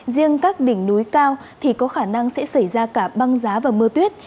riêng các đỉnh núi cao thì có khả năng sẽ xảy ra cả băng giá và mưa tuyết